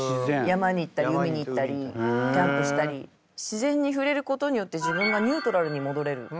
山に行ったり海に行ったりキャンプしたり自然にふれることによって自分がニュートラルにもどれる。